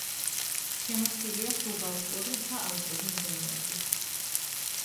შემოსილია სუბალპური და ალპური მდელოებით.